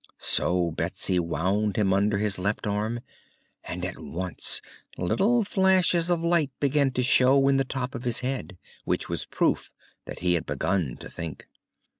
So Betsy wound him under his left arm, and at once little flashes of light began to show in the top of his head, which was proof that he had begun to think.